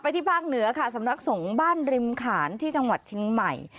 ที่ภาคเหนือค่ะสำนักสงฆ์บ้านริมขานที่จังหวัดเชียงใหม่